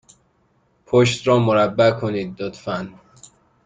پشت را مربع کنید، لطفا.